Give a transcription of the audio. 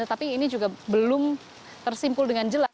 tapi ini juga belum tersimpul dengan jelas